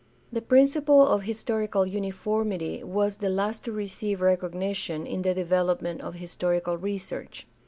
— The principle of historical uniformity was the last to receive recognition in the development of historical research.